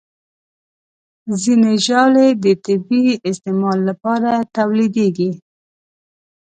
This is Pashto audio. ځینې ژاولې د طبي استعمال لپاره تولیدېږي.